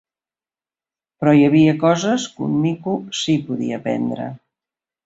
Però hi havia coses que un mico sí podia aprendre...